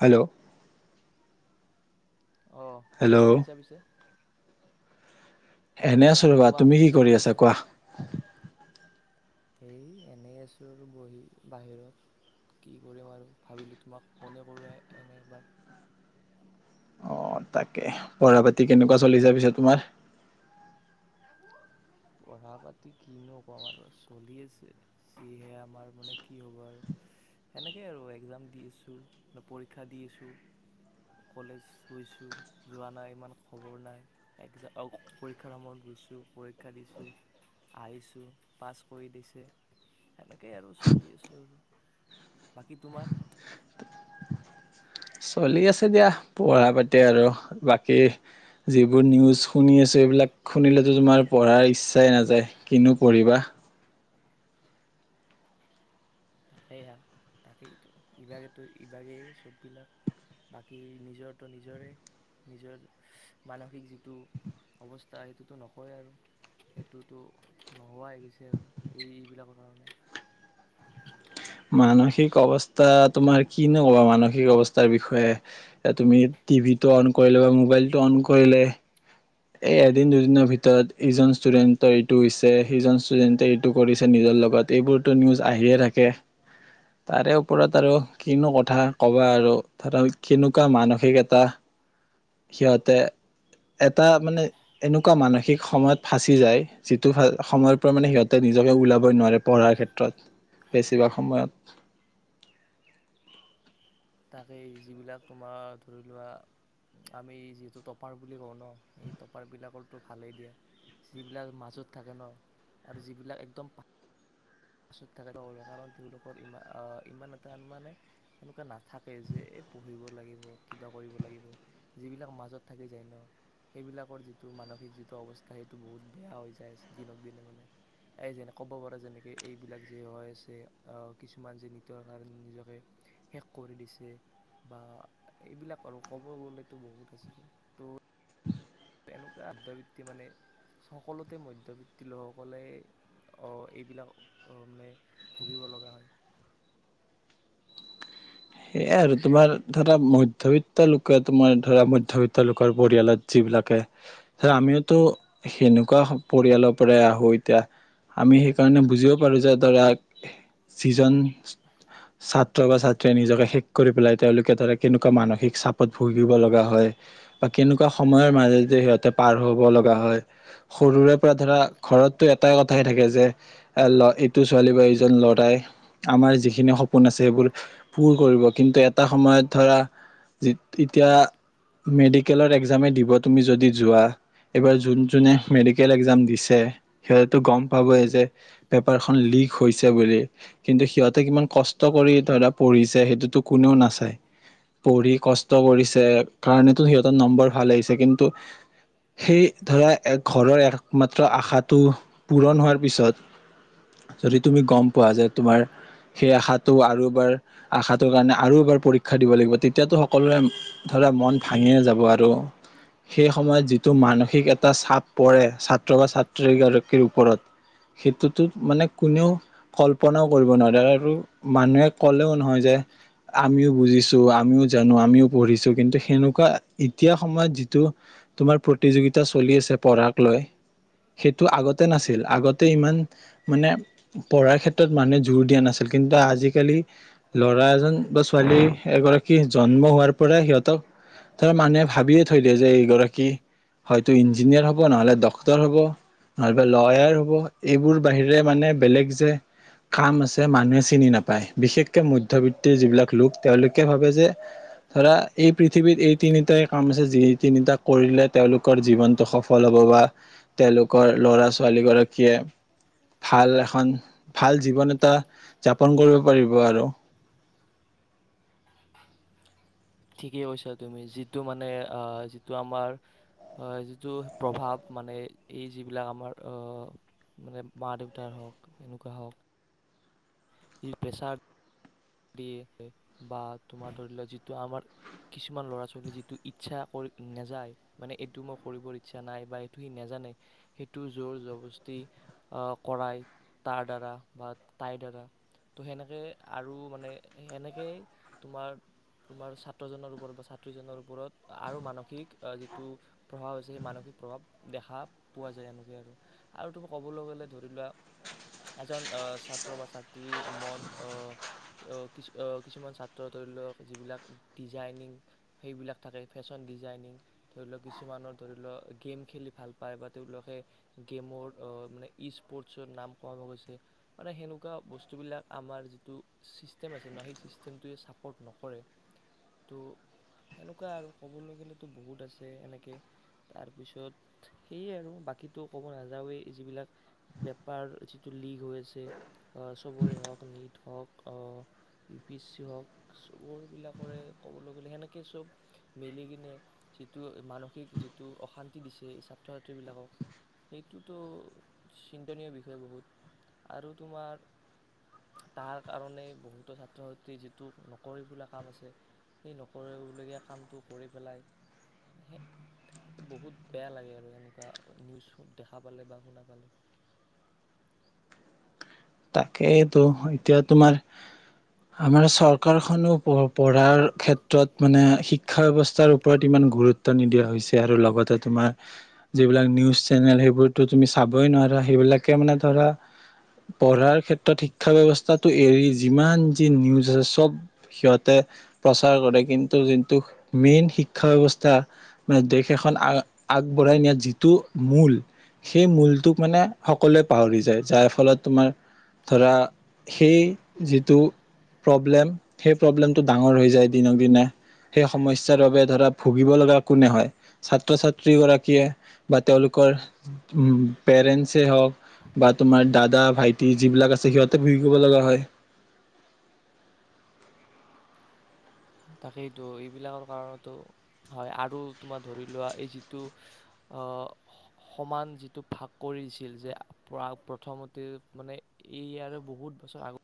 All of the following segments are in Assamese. হেল্ল', অহ ', হেল্ল' কি কৰিছা পিছে। এনে আছো ৰবা তুমি কি কৰি আছা কোৱা? এই এনেই আছোঁ আৰু বহি বাহিৰত কি কৰিমক আৰু ভাবিলোঁ তোমাক ফোনে কৰোঁ এনে এবাৰ। অহ ', তাকে পঢ়া পাতি কেনেকুৱা চলিছে পিছেত তোমাৰ। পঢ়া পাতি কিনো কম আৰু চলি আছে যিহে আমাৰ মানে কি হ'ব আৰু সেনেকেই আৰু একজাম দি আছো পৰীক্ষা দি আছো কলেজ গছো যোৱা নাই ইমান খবৰ নাই একজাম অহ ', পৰীক্ষাৰ সময়ত গৈছো। পৰীক্ষা দিছোঁ, আহিছোঁ পাছ কৰি দিছে। সেনেকেই আৰু চলি আছো আৰু। বাকী তোমাৰ? চলি আছে দিয়া পঢ়া পাতি আৰু বাকী যিবোৰ নিউজ শুনি আছো এইবিলাক শুনিলেতো তোমাৰ পঢ়াৰ ইচ্ছাই নাযায় কিনো পঢ়িবা। তাকেই হা তাকেই ইভাগেতো - ইভাগেই চববিলাক বাকী নিজৰটো নিজৰে - নিজৰ মানসিক যিটো অৱস্থা সেইটোতো নকয় আৰু সেইটোতো নোহোৱাই গৈছে আৰু এইবিলাকৰ কাৰণে। মানসিক অৱস্থা তোমাৰ কি নো ক'বা মানসিক অৱস্থাৰ বিষয়ে এহ ', তুমি টিভিটো অন কৰিলে বা মোবাইলটো অন কৰিলে এই এদিন দুদিনৰ ভিতৰত ইজন ষ্টুডেন্টৰ এইটো হৈছে সিজন ষ্টুডেণ্টে এইটো কৰিছে নিজৰ লগত এইবোৰতো নিউজ আহিয়ে থাকে। তাৰে ওপৰত আৰু কিনো কথা কবা আৰু ধৰক কেনেকুৱা মানসিক এটা সিহঁতে এটা মানে এনেকুৱা মানসিক সময়ত ফাঁচি যায় যিটো সময়ৰ পৰা মানে সিহঁতে নিজকে ওলাব নোৱাৰে পঢ়াৰ ক্ষেত্ৰত বেছিভাগ সময়ত। তাকেই যিবিলাক তোমাৰ ধৰি লোৱা আমি যিহেতু টপাৰ বুলি কওঁ ন সেই টপাৰবিলাকো ভালেই দিয়া যিবিলাক মাজত থাকে ন আৰু যিবিলাক একদম মাছত থাক কাৰণ তেওঁলোকৰ ই আহ ইমান এটা মানে এনেকুৱা নাথাকে যে এই পঢ়িব লাগিব কিবা কৰিব লাগিব যিবিলাক মাজত থাকি যায় ন সেইবিলাকৰ যিটো মানসিক যিটো অৱস্থা সেইটো বহুত বেয়া হৈ যায় দিনক দিনে মানে এই যেনে ক'ব পাৰে যেনেকে এইবিলাক যে হৈ আছে কিছুমান যে নৃতৰ কাৰণে নিজকে শেষ কৰি দিছে বা এইবিলাক আৰু ক'ব গ'লেতো বহুত আছে ত' আৰু এনেকুৱা আধ্যবৃত্তি মানে সকলোতে মধ্যবিত্তি লোকসকলে এইবিলাক মানে ভুগিব লগা হয় সেয়াই আৰু তোমাৰ ধৰা মধ্যবিত্ত লোকে তোমাৰ ধৰা মধ্যবিত্ত লোকৰ পৰিয়ালত যিবিলাকে ধৰা আমিওতো সেনেকুৱা পৰিয়ালৰ পৰাই আহো এতিয়া আমি সেইকাৰণে বুজিব পাৰো যে ধৰা যিজন ছাত্ৰ বা নিজকে শেষ কৰি পেলাই তেওঁলোকে ধৰা কেনেকুৱা মানসিক চাপত ভুগিব লগা হয় বা কেনেকুৱা সময়ৰ মাজেদি সিহঁতে পাৰ হব লগা হয় সৰুৰে পৰা ধৰা ঘৰতটো এটাই কথাই থাকে যে এ ল এইটো ছোৱালী বা এইজন লৰাই আমাৰ যিখিনি সপোন আছে সেইবোৰ পুৰ কৰিব কিন্তু এটা সময়ত ধৰা এতিয়া মেডিকেলৰ এক্জামেই দিব তুমি যদি যোৱা এইবাৰ যোন যোনে মেডিকেল একজাম দিছে সিহঁতো গম পাবই যে পেপাৰখন লিক হৈছে বুলি কিন্তু সিহঁতে কিমান কষ্ট কৰি ধৰা পঢ়িছে সেইটোতো কোনেও নাচায় পঢ়ি কষ্ট কৰিছে কাৰণেতো সিহঁতৰ নম্বৰ ভাল আহিছে কিন্তু সেই ধৰা এক ঘৰৰ একমাত্ৰ আশাটো পূৰণ হোৱাৰ পিছত যদি তুমি গম পোৱা যোয় তোমাৰ সেই আশাটো আৰু এবাৰ আশাটোৰ কাৰণে আৰু এবাৰ পৰীক্ষা দিব লাগিব তেতিয়াতো সকলোৱে ধৰা মন ভাঙে যাব আৰু সেই সময়ত যিটো মানসিক এটা চাপ পৰে ছাত্ৰ বা ছাত্ৰীগৰাকীৰ ওপৰত সেইটোতো মানে কোনেও কল্পনাও কৰিব নোৱাৰে আৰু মানুহে ক'লেও নহয় যে আমিও বুজিছো আমিও জানো আমিও পঢ়িছো কিন্তু সেনেকুৱা এতিয়া সময়ত যিটো তোমাৰ প্ৰতিযোগিতা চলি আছে পঢ়াক লৈ সেইটো আগতে নাছিল আগতে ইমান মানে পঢ়াৰ ক্ষেত্ৰত মানুহে জোৰ দিয়া নাছিল কিন্তু আজিকালি ল'ৰা এজন বা ছোৱালী এগৰাকী জন্ম হোৱাৰ পৰাই সিহঁতক ধৰা মানুহে ভাবিয়ে থৈ দিয়ে যে এইগৰাকী হয়তো ইঞ্জিনিয়াৰ হব নহলে ডক্তৰ হব নহলে লয়াৰ হব এইবোৰ বাহিৰে মানে বেলেগ যে কাম আছে মানুহে চিনি নাপায় বিশেষকে মধ্যবিত্তিৰ যিবিলাক লোক তেওঁলোকে ভাবে যে ধৰা এই পৃথিৱীত এই তিনিটাই কাম আছে যি তিনিটা কৰিলে তেওঁলোকৰ জীৱনটো সফল হব বা তেওঁলোকৰ লৰা ছোৱালী গৰাকীয়ে ভাল এখন ভাল জীৱন এটা যাপন কৰিব পাৰিব আৰু ঠিকেই কৈছা তুমি যিটো মানে যিটো আমাৰ যিটো প্ৰভাৱ মানে এই যিবিলাক আমাৰ আহ মানে মা দেউতাৰ হওঁক এনেকুৱা হওঁক ই প্ৰেচাদ বা তোমাৰ ধৰি লোৱা যিটো আমাৰ কিছুমান ল'ৰা ছোৱালী যিটো ইচ্ছা কৰি নেযায় মানে এইটো মই কৰিবৰ ইচ্ছা নাই বা এইটো সি নজানে সেইটো জোৰ জৰবস্তি আহ কৰাই তাৰ দ্বাৰা বা তাইৰ দ্বাৰা ত' সেনেকে আৰু মানে সেনেকেই তোমাৰ তোমাৰ ছাত্ৰজনৰ ওপৰত বা ছাত্ৰীজনীৰ ওপৰত আৰু মানসিক যিটো প্ৰভাৱ হৈছে সেই মানসিক প্ৰভাৱ দেখা পোৱা যায় এনেকৈ আৰু আৰু তোম ক'বলৈ গ'লে ধৰি লোৱা এজন ছাত্ৰ বা ছাত্ৰীৰ মন আহ। অ কিছু অ কিছুমান ছাত্ৰৰ ধৰি লওক যিবিলাক ডিজাইনিং সেইবিলাক থাকে ফেশ্বন ডিজাইনিং ধৰি লওক কিছুমানৰ ধৰি লওক গেম খেলি ভাল পায় বা তেওঁলোকে গেমৰ মানে ই স্পৰ্টছত নাম কমাব গৈছে মানে সেনেকুৱা বস্তুবিলাক আমাৰ যিটো ছিষ্টেম আছে ন সেই চিষ্টেমটোৱে ছাপৰ্ট নকৰে ত' সেনেকুৱা আৰু ক'বলে গ'লেতো বহুত আছে এনেকে তাৰপিছত সেয়ে আৰু বাকীতো ক'ব নাযাওঁৱেই যিবিলাক পেপাৰ যিটো লিক হৈ আছে চবৰে হওক নীট হওক অ ইউ পি চি হওক চবৰবিলাকৰে ক'বলৈ গ'লে সেনেকে চব মিলি কিনে যিটো মানসিক যিটো অশান্তি দিছে এই ছাত্ৰ ছাত্ৰীবিলাকক সেইটোতো চিন্তনীয় বিষয় বহুত আৰু তোমাৰ তাৰ কাৰণে বহুতো ছাত্ৰ ছাত্ৰী যিটো নকৰিবলগীয়া কাম আছে সেই নকৰিবলগীয়া কামটো কৰি পেলাই বহুত বেয়া লাগে আৰু এনেকুৱা নিউজ দেখা পালে বা শুনা পালে তাকেটো এতিয়া তোমাৰ আমাৰ চৰকাৰখনো পঢ়াৰ ক্ষেত্ৰত মানে শিক্ষা ব্যৱস্থাৰ ওপৰত ইমান গুৰুত্ব নিদিয়া হৈছে আৰু লগতে তোমাৰ যিবিলাক নিউজ চেনেল সেইবোৰতো তুমি চাবই নোৱাৰা সেইবিলাকে মানে ধৰা পঢ়াৰ ক্ষেত্ৰত শিক্ষা ব্যৱস্থাটো এৰি যিমান যি নিউজ আছে চব সিহঁতে প্ৰচাৰ কৰে কিন্তু যোনটো মেইন শিক্ষা ব্যৱস্থা মানে দেশ এখন আ আগবঢ়াই নিয়াৰ যিটো মূল সেই মূলটোক মানে সকলোৱে পাহৰি যায় যাৰ ফলত তোমাৰ ধৰা সেই যিটো প্ৰব্লেম সেই প্ৰব্লেমটো ডাঙৰ হৈ যায় দিনক দিনে সেই সমস্যাৰ বাবে ধৰা ভুগিব লগা কোনে হয় ছাত্ৰ ছাত্ৰীগৰাকীয়ে বা তেওঁলোকৰ পেৰেণ্টছেই হওক বা তোমাৰ দাদা ভাইটি যিবিলাক আছে সিহঁতে ভোগিব লগা হয় তাকেইটো এইবিলাকৰ কাৰণতো হয় আৰু তোমাৰ ধৰি লোৱা এই যিটো আহ স সমান যিটো ভাগ কৰিছিল যে প্ৰথমতে মানে এইয়াৰে বহুত বছৰ আগ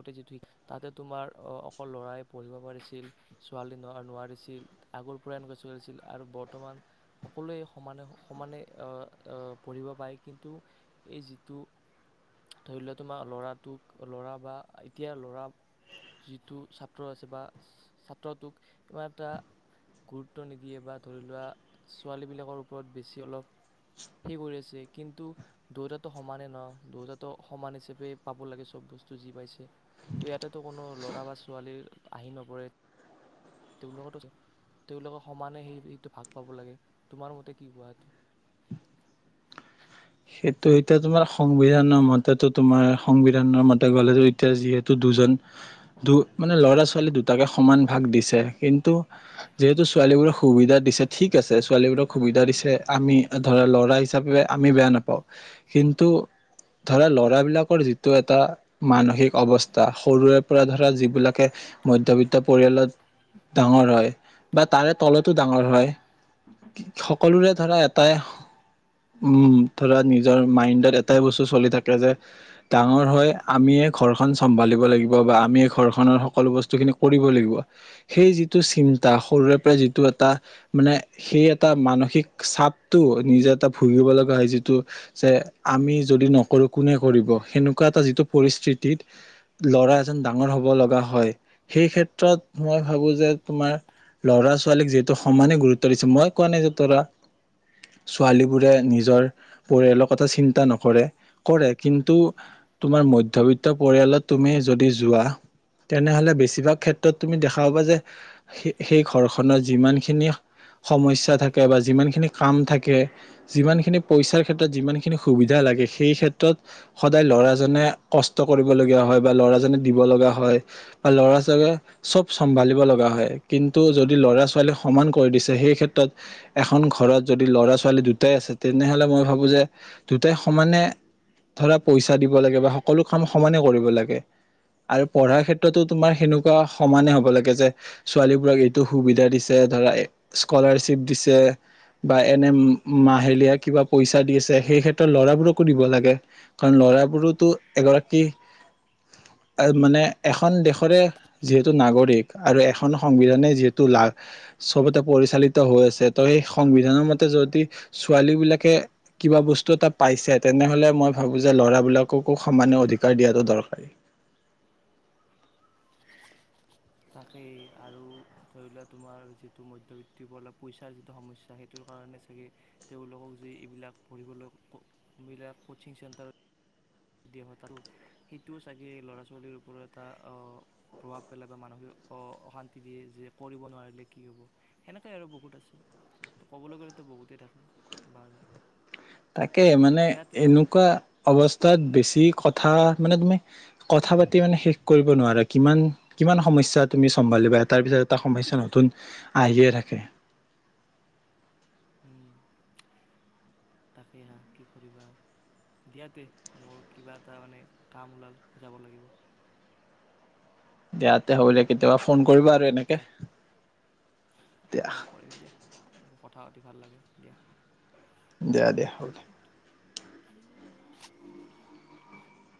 আগতে যিটো তাতে তোমাৰ আহ অকল ল'ৰাই পঢ়িব পাৰিছিল ছোৱালী ন নোৱাৰিছিল আগৰ পৰা এনেকুৱা চলিছিল আৰু বৰ্তমান সকলোৱে সমানে সমানে আহ আহ পঢ়িব পায় কিন্তু এই যিটো ধৰি লোৱা তোমাৰ ল'ৰাটোক ল'ৰা বা এতিয়া ল'ৰা যিটো ছাত্ৰ আছে বা ছাত্ৰটোক ইমান এটা গুৰুত্ব নিদিয়ে বা ধৰি লোৱা ছোৱালীবিলাকৰ ওপৰত বেছি অলপ সে কৰি আছে কিন্তু দুয়োটা টো সমানেই ন দুয়োটা সমান হিচাপে পাব লাগে চব বস্তু যি পাইছ ত ইয়াতেতো কোনো ল'ৰা বা ছোৱালী আহি নপৰে তেওলোকক তেওঁলোকে সমানে সেই সটো ভাগ পাব লাগে তোমাৰ মতে কি কোৱা এইটো সেইটো এতিয়া তোমাৰ সংবিধানৰ মতেতো তোমাৰ সংবিধানৰ মতে গলে এতিয়া যিহেতু দুজন দু মানে ল'ৰা ছোৱালী দুটাকে সমান ভাগ দিছে কিন্তু যিহেতু ছোৱালীবোৰক সুবিধা দিছে ঠিক আছে ছোৱালীবোৰক সুবিধা দিছে আমি ধৰা ল'ৰা হিচাপে আমি বেয়া নাপ পাও কিন্তু ধৰা লৰাবিলাকৰ যিটো এটা মানসিক অৱস্থা সৰুৰে পৰা ধৰা যিবিলাকে মধ্যবিত্ত পৰিয়ালত ডাঙৰ হয় বা তাৰে তলতো ডাঙৰ হয় সকলোৰে ধৰা এটাই উম ধৰা নিজৰ মাইণ্ডত এটাই বস্তু চলি থাকে যে ডাঙৰ হয় আমিয়ে ঘৰখন চম্ভালিব লাগিব বা আমিয়ে ঘৰখনৰ সকলো বস্তুখিনি কৰিব লাগিব সেই যিটো চিন্তা সৰুৰে পৰা যিটো এটা মানে সেই এটা মানসিক চাপটো নিজে এটা ভুগিব লগা হয় যি টো যে আমি যদি নকৰো কোনে কৰিব সেনেকুৱা এটা যিটো পৰিস্থিতিত ল'ৰা এজন ডাঙৰ হব লগা হয় সেই ক্ষেত্ৰত মই ভাবো যে তোমাৰ লৰা ছোৱালীক যিহেতু সমানে গুৰুত্ব দিছে মই কোৱা নাই যে তৰা ছোৱালী বোৰে নিজৰ পৰিয়ালক কথা চিন্তা নকৰে কৰে কিন্তু তোমাৰ মধ্যবিত্ত পৰিয়ালত তুমি যদি যোৱা তেনেহলে বেছিভাগ ক্ষেত্ৰত তুমি দেখা পাবা যে সেই ঘৰখনত যিমানখিনি সমস্যা থাকে বা যিমান খিনি কাম থাকে যিমান খিনি পইচা ক্ষেত্ৰত যিমানখিনি সুবিধা লাগে সেই ক্ষেত্ৰত সদায় ল'ৰাজনে কষ্ট কৰিব লগীয়া হয় বা ল'ৰাজনে দিব লগা হয় বা ল'ৰাজনে চব চম্ভালিব লগা হয়। কিন্তু যদি ল'ৰা ছোৱালী সমান কৰি দিছে সেই ক্ষেত্ৰত এখন ঘৰত যদি ল'ৰা ছোৱালী দুটাই আছে তেনেহলে মই ভাব বো যে দুটাই সমানে ধৰা পইচা দিব লাগে বা সকলো কাম সমানে কৰিব লাগে আৰু পঢ়াৰ ক্ষেত্ৰতো তোমাৰ সেনেকুৱা সমানে হব লাগে যে ছোৱালীবোৰক এইটো সুবিধা দিছে ধৰা স্কলাৰশ্বিপ দিছে বা এনে মাহেলীয়া কিবা পইচ- তা দি আছে সেই ক্ষেত্ৰত ল'ৰাবোৰকো দিব লাগে। কাৰণ ল'ৰাবোৰতো এগৰাকী মানে এখন দেশৰে যিহেতু নাগৰিক আৰু এখন সংবিধানে যিহেতু লা চবতে পৰিচালিত হৈ আছে ত সেই সংবিধানৰ মতে যদি ছোৱালী বিলাকে কিবা বস্তু এটা পাইছে তেনেহলে মই ভাবো যে ল'ৰাবিলাককো সমানে অধিকাৰ দিয়াটো দৰকাৰী। তাকেই আৰু ধৰি লোৱা তোমাৰ যিটো মধ্যবিত্তি পইচাৰ যিটো সমস্যা সেইটোৰ কাৰণে চাগে তেওঁলোকক যে এইবিলাক পঢ়িবলৈ বিলাক কোচিং চেণ্টাৰত দিয়া হয় তোৰো সেইটোও চাগে ল'ৰা-ছোৱালীৰ ওপৰত এটা অ প্ৰভাৱ পেলাই বা মানসিক অশান্তি দিয়ে যে কৰিব নোৱাৰিলে কি হ'ব সেনেকাই আৰু বহুত আছে ত ক'বলৈ গ'লেতো বহুতেই থাকে বাৰু তাকে মানে দিয়াতে ন এনেকুৱা অৱস্থাত বেছ- তি কথা মানে তুমি কথা পাতি মানে শেষ কৰিব নোৱাৰা কিমান কিমান সমস্যা তুমি চম্ভালিবা এটা তাৰ পিছত এটা সমস্যা নতুন আহিয়ে থাকে। হু তাকে হা কি কৰিবা দিয়াতে মোৰ কিবা এটা মানে কাম ওলাল যাব লাগিব। দিয়াতে হ'লে কেতিয়াবা ফোন কৰিবা আৰু এনেকে দিয়া দিয়া অ' কৰিম দিয়া এনেকে কথা পাতিবলে। ভাল লাগে দিয়া। দিয়া দিয়া হ'ব দে। [inaudible]